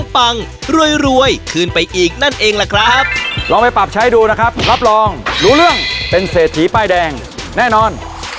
เศรษฐีป้ายแดงแน่นอน